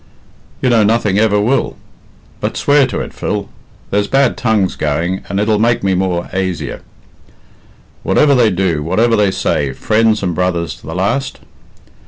"You know nothing ever will." "But swear to it, Phil. There's bad tongues going, and it'll make me more aisier. Whatever they do, whatever they say, friends and brothers to the last?"